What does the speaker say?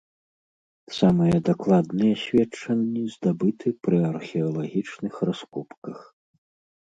Самыя дакладныя сведчанні здабыты пры археалагічных раскопках.